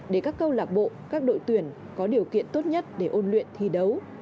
để các câu lạc bộ các đội tuyển có điều kiện tốt nhất để ôn luyện thi đấu